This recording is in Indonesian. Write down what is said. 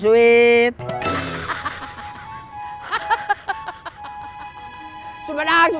semedang semedang semedang